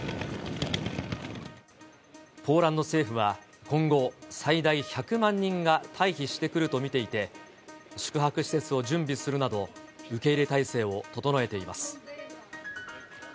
ポーランド政府は、今後、最大１００万人が退避してくると見ていて、宿泊施設を準備するなど、受け入れ態勢を整えています。